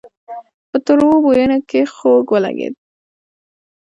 په تروو بويونو کې خوږ ولګېد.